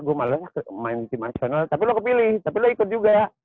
gue malah main tim nasional tapi lo kepilih tapi lo ikut juga